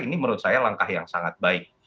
ini menurut saya langkah yang sangat baik